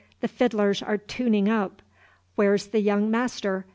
The fiddlers are tuning up. Where 's the young master?